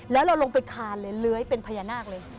แล้วเราลงไปคานเลยเลื้อยเป็นพญานาคเลย